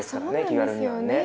気軽にはね。